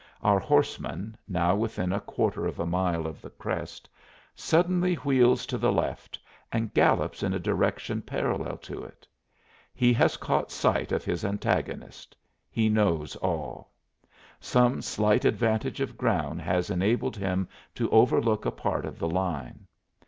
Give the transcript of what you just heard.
Our horseman, now within a quarter of a mile of the crest, suddenly wheels to the left and gallops in a direction parallel to it. He has caught sight of his antagonist; he knows all. Some slight advantage of ground has enabled him to overlook a part of the line.